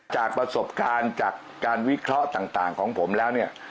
จากประสบการณ์จากการวิเคราะห์ต่างของผมแล้วเนี่ย